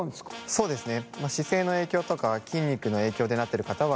そうですね。